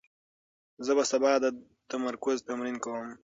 زه به سبا د تمرکز تمرین کوم.